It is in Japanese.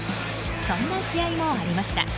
そんな試合もありました。